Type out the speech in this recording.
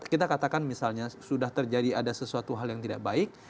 kita katakan misalnya sudah terjadi ada sesuatu hal yang tidak baik